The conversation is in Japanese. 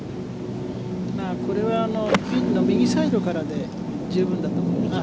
これはピンの右サイドからで十分だと思うな。